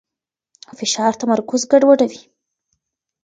فشار تمرکز ګډوډوي.